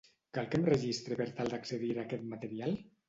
Cal que em registre per tal d'accedir a aquest material?